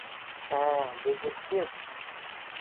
Ә-ә, дезертир!